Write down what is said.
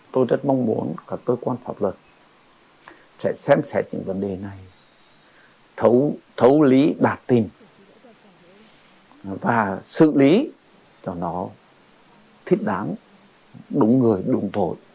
tôi rất mong muốn các cơ quan pháp luật sẽ xem xét những vấn đề này thấu lý bạt tin và xử lý cho nó thích đáng đúng người đúng tội